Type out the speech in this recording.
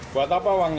buat apa uangnya